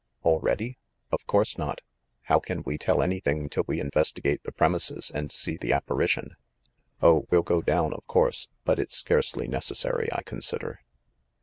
"Already? Of course not! How can we tell any 70 THE MASTER OF MYSTERIES thing till we investigate the premises and see the ap parition?" "Oh, we'll go down, of course; but it's scarcely necessary, I consider."